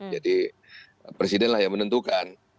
jadi presiden lah yang menentukan